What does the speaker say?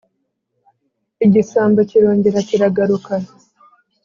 igisambo kirongera kiragaruka;